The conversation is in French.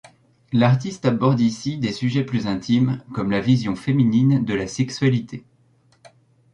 L'artiste aborde ici des sujets plus intimes comme la vision féminine de la sexualité.